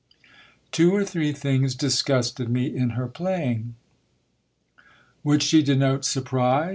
Two or three things disgusted me in her playing. Would she denote surprise